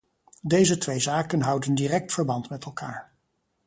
Deze twee zaken houden direct verband met elkaar.